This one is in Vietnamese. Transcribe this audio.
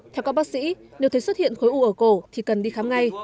theo các bác sĩ nếu thấy xuất hiện khối u ở cổ thì cần đi khám ngay